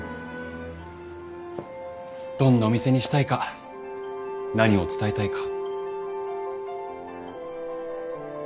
どんなお店にしたいか何を伝えたいか。